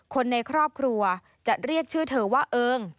คนในครอบครัวจะเรียกชื่อเธอว่าเอิง